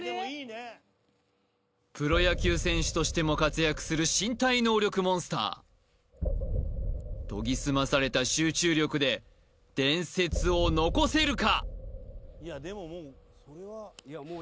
プロ野球選手としても活躍する身体能力モンスター研ぎ澄まされた集中力で伝説を残せるか？